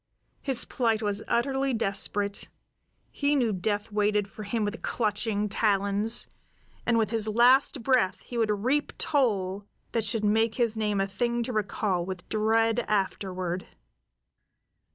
His plight was utterly desperate; he knew death waited for him with clutching talons, and with his last breath he would reap toll that should make his name a thing to recall with dread afterward.